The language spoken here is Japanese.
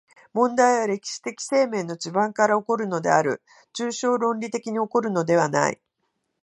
問題は歴史的生命の地盤から起こるのである、抽象論理的に起こるのではない。